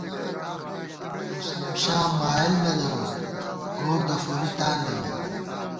مُسلم شاہ، مائیل نہ دَروت، گور دفولی تاندِمېت